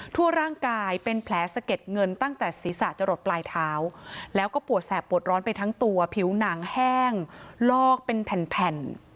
ทั่วร่างกายเป็นแผลสะเก็ดเงินตั้งแต่ศีรษะจะหลดปลายเท้าแล้วก็ปวดแสบปวดร้อนไปทั้งตัวผิวหนังแห้งลอกเป็นแผ่น